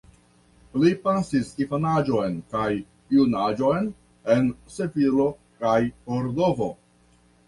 Li pasis infanaĝon kaj junaĝon en Sevilo kaj Kordovo.